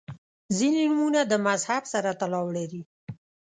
• ځینې نومونه د مذهب سره تړاو لري.